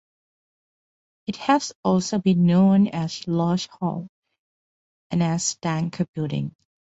It has also been known as Lodge Hall and as Danker Building.